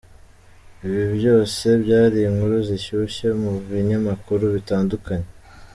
Ibi byose, byari inkuru zishyushye mu binyamakuru bitandukanye.